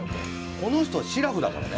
この人はしらふだからね。